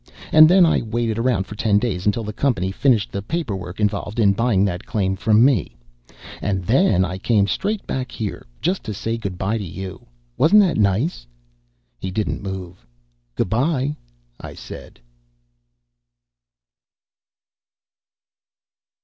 And then I waited around for ten days until the company finished the paperwork involved in buying that claim from me. And then I came straight back here, just to say goodbye to you. Wasn't that nice?" He didn't move. "Goodbye," I said.